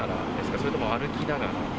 それとも歩きながら？